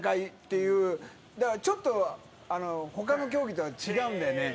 ちょっと他の競技とは違うんだよね。